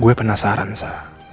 gue penasaran sa